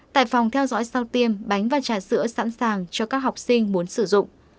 tại phòng theo dõi sau tiêm bánh và trà sữa sẵn sàng cho các học sinh muốn sử dụng